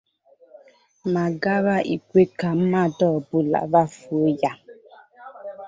ma ghara ikwe ka mmadụ ọbụla rafuo ha